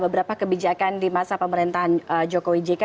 beberapa kebijakan di masa pemerintahan jokowi jk